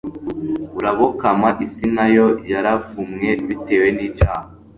urabokama Isi na yo yaravumwe bitewe nicyaha